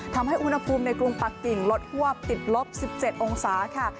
ทำให้อุณหภูมิในกรุงปักกิ่งลดฮวบติดลบ๑๗องศาค่ะ